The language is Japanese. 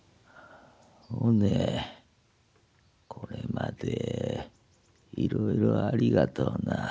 おねこれまでいろいろありがとうな。